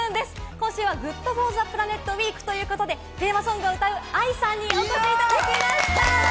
今週はＧｏｏｄＦｏｒＴｈｅＰｌａｎｅｔウイークということで、テーマソングを歌うＡＩさんにお越しいただきました！